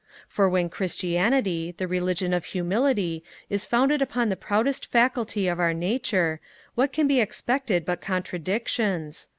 For when Christianity, the religion of humility, is founded upon the proudest faculty of our nature, what can be expected but contradictions?